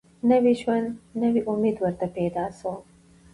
نوی ژوند نوی امید ورته پیدا سو